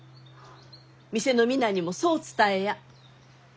店の皆にもそう伝えや。